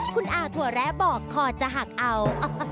คุณอาถั่วแร้บอกคอจะหักเอา